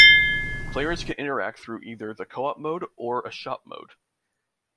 Players can interact through either the Co-op mode or a Shop mode.